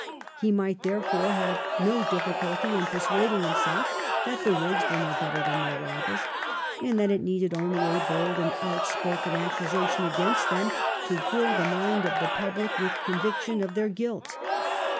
He might therefore have had no diflSculty in persuading himself that the Whigs were no better than their rivals, and that it needed only a bold and loud spoken accusation against them to fiU the mind of the public with the conviction of their guilt.